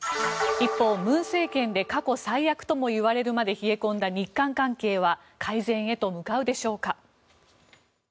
一方、文政権で過去最悪とも言われるまで冷え込んだ日韓関係は改善へと向かうでしょうか。